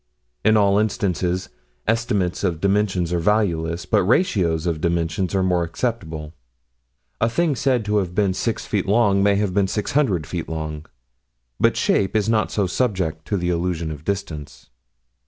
In all instances, estimates of dimensions are valueless, but ratios of dimensions are more acceptable. A thing said to have been six feet long may have been six hundred feet long; but shape is not so subject to the illusions of distance.